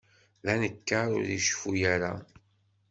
D anekkar ur iceffu ara.